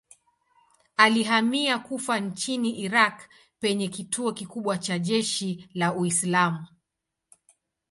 Alihamia Kufa nchini Irak penye kituo kikubwa cha jeshi la Uislamu.